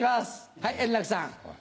はい円楽さん。